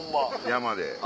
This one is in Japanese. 山で。